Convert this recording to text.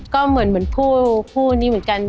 ก็เหมือนผู้นี้เหมือนกัน